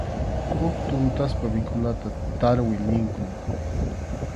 Huk tuntaspa mikhunata tarwi ninkum.